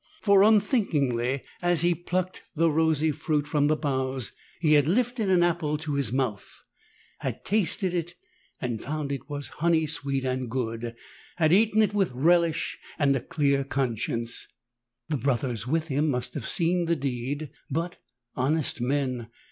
For unthinkingly as he plucked the rosy fruit 21 from the boughs, he had lifted an apple to his mouth — ^had tasted it and found it honey sweet and good — had eaten it with relish and a clear conscience. The Brothers with him must have seen the deed; but, honest men!